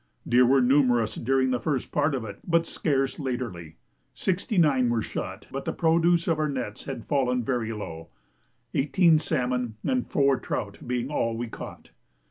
Deer were numerous during the first part of it, but scarce latterly; sixty nine were shot, but the produce of our nets had fallen very low, eighteen salmon and four trout being all we caught.